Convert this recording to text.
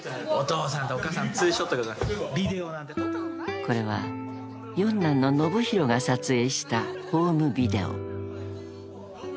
［これは四男の延啓が撮影したホームビデオ］